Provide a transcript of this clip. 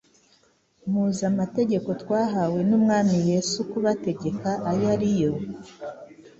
Muzi amategeko twahawe n’Umwami Yesu kubategeka, ayo ari yo